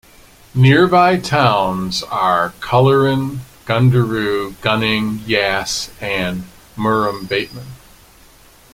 Nearby towns are Cullerin, Gundaroo, Gunning, Yass, and Murrumbateman.